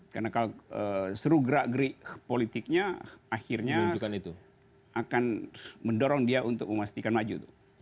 karena kalau seru gerak gerik politiknya akhirnya akan mendorong dia untuk memastikan maju